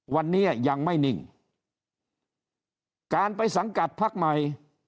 วันนี้ยังไม่นิ่งการไปสังกัดพักใหม่